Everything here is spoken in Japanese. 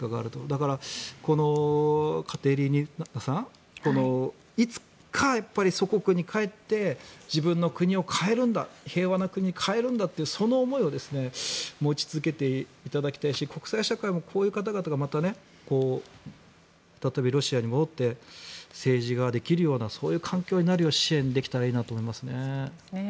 だから、エカテリーナさんいつか祖国に帰って自分の国を変えるんだ平和な国に変えるんだっていうその思いを持ち続けていただきたいし国際社会もこういう方々がまた例えば、ロシアに戻って政治ができるようなそういう環境になるよう支援ができたらいいなと思いますね。